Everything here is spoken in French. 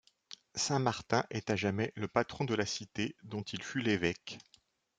Saint Martin est à jamais le patron de la cité dont il fut l'évêque.